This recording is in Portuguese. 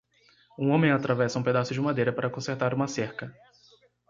Um homem atravessa um pedaço de madeira para consertar uma cerca.